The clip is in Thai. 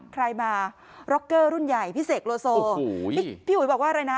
ใครมาร็อกเกอร์รุ่นใหญ่พี่เสกโลโซพี่อุ๋ยบอกว่าอะไรนะ